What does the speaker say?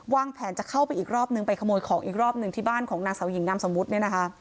วางแผนจะเข้าไปอีกรอบนึงไปขโมยของอีกรอบหนึ่งที่บ้านของนางสาวหญิงนามสมมุติเนี่ยนะคะ